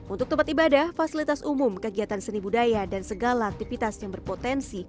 untuk tempat ibadah fasilitas umum kegiatan seni budaya dan segala aktivitas yang berpotensi